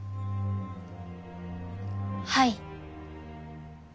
はい。